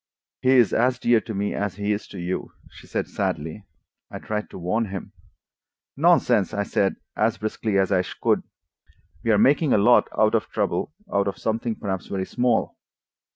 "He is as dear to me as he is to you," she said sadly. "I tried to warn him." "Nonsense!" I said, as briskly as I could. "We are making a lot of trouble out of something perhaps very small.